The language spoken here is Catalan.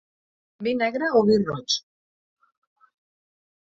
Vi negre o vi roig.